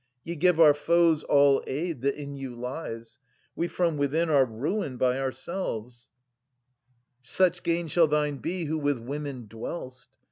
Ye give our foes all aid that in you lies ! We from within are ruined by ourselves ! 12 JESCHYLUS. Such gain shall thine be who with women dwell'st